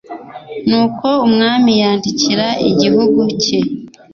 nuko umwami yandikira igihugu cye